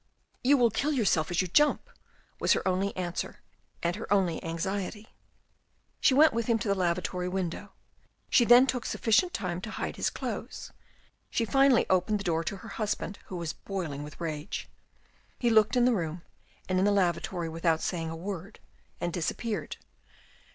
" You will kill yourself as you jump !" was her only answer and her only anxiety. She went with him to the lavatory window ; she then took sufficient time to hide his clothes. She finally opened the door to her husband who was boiling with rage. He looked in the room and in the lavatory without saying a word and disappeared.